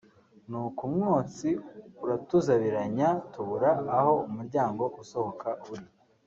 ni uko umwotsi uratuzabiranya tubura aho umuryango usohoka uri